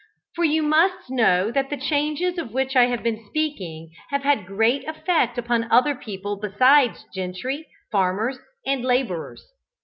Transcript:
For you must know that the changes of which I have been speaking have had great effect upon other people besides gentry, farmers, and labourers.